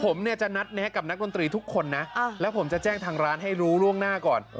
ผมเนี่ยจะนัดแนะกับนักดนตรีทุกคนนะแล้วผมจะแจ้งทางร้านให้รู้ล่วงหน้าก่อน